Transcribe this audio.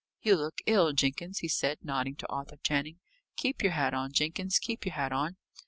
"You look ill, Jenkins," he said, nodding to Arthur Channing. "Keep your hat on, Jenkins keep your hat on."